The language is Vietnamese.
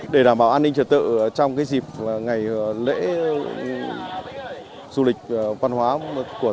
để đảm bảo an ninh trật tự trong dịp ngày lễ du lịch văn hóa của